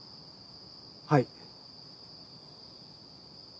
はい。